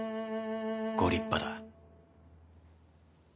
ご立派だ。